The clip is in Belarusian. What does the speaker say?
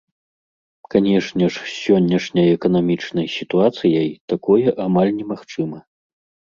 Канешне ж, з сённяшняй эканамічнай сітуацыяй такое амаль немагчыма.